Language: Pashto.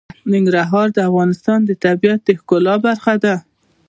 ننګرهار د افغانستان د طبیعت د ښکلا برخه ده.